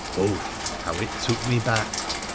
Hoth ! how it took me back !